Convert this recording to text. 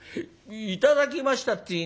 『頂きました』って言いなよ」。